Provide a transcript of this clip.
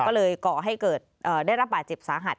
ก็เลยก่อให้เกิดได้รับบาดเจ็บสาหัส